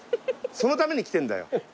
そのために着てんだよ。